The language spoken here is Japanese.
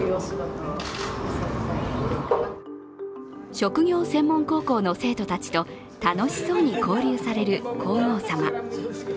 職業専門高校の生徒たちと楽しそうに交流される皇后さま。